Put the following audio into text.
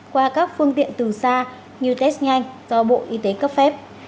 qua các phương tiện từ xa như test nhanh do bộ y tế cấp phép